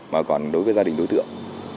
mà còn đối với gia đình đối tượng